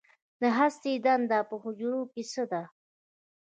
د هستې دنده په حجره کې څه ده